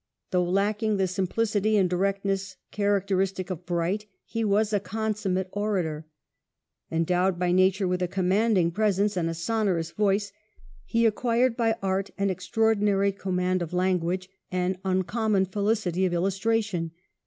Though lacking the simplicity and direct ness characteristic of Bright, he was a consummate orator. En dowed by nature with a commanding presence and a sonorous voice, he acquired by art an extraordinary command of language and uncommon felicity of illustration.